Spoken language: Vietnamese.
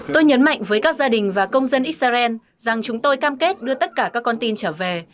tôi nhấn mạnh với các gia đình và công dân israel rằng chúng tôi cam kết đưa tất cả các con tin trở về